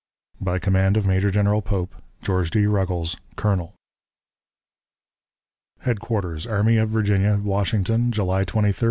. "By command of Major General Pope: "GEORGE D. RUGGLES, Colonel." "HEADQUARTERS ARMY OF VIRGINIA, WASHINGTON, _July 23, 1862.